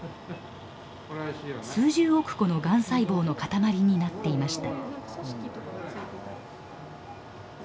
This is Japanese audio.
数十億個のがん細胞の塊になっていました。